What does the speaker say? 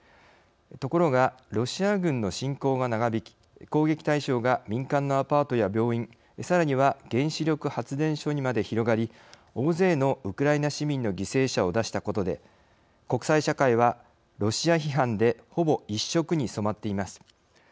ところがロシア軍の侵攻が長引き攻撃対象が民間のアパートや病院、さらには原子力発電所にまで広がり大勢のウクライナ市民の犠牲者を出したことで国際社会はロシア批判でほぼ一色に染まっています。